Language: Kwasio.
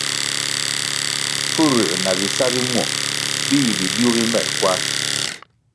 Pfurųer na bisa bi muo bi yi bidiuh bi mer kwar.